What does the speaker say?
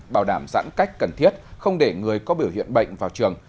bảo đảm giãn cách cần thiết không để người có biểu hiện bệnh vào trường